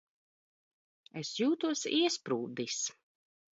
Es jūtos iesprūdis.